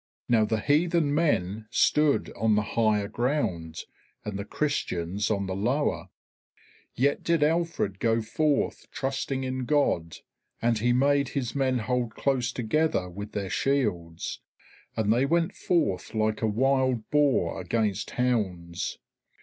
Now the heathen men stood on the higher ground and the Christians on the lower. Yet did Alfred go forth trusting in God, and he made his men hold close together with their shields, and they went forth like a wild boar against the hounds.